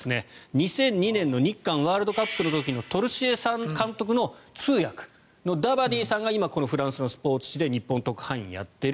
２００２年の日韓ワールドカップの時のトルシエ監督の通訳のダバディさんが今、このフランスのスポーツ紙で日本特派員をやっている。